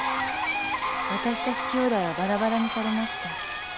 私たち兄弟はバラバラにされました。